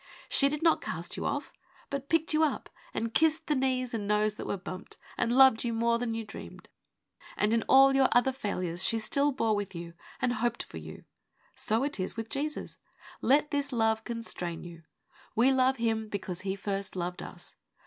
She did not cast you off, but picked you up, and kissed the knees and nose that were bumped, and loved you more than you dreamed. And in all your other failures she still bore with you and hoped for you. So it is with Jesus. Let this love constrain you. 'We love Him because He first loved us.